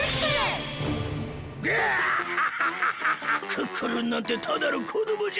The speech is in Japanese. クックルンなんてただのこどもじゃないか。